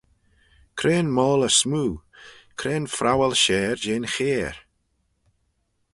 Cre'n moylley smoo? Cre'n phrowal share jeh'n chair?